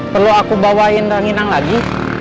perlu aku bawain renginang lagi